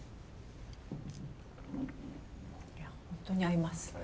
いや本当に合います。